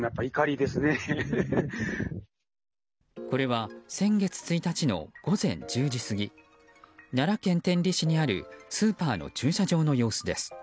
これは先月１日の午前１０時過ぎ奈良県天理市にあるスーパーの駐車場の様子です。